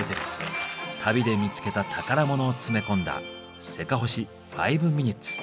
旅で見つけた宝物を詰め込んだ「せかほし５ｍｉｎ．」。